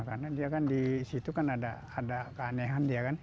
karena di situ kan ada keanehan